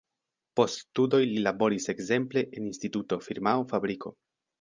Post studoj li laboris ekzemple en instituto, firmao, fabriko.